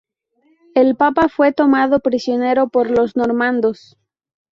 El papa fue tomado prisionero por los normandos.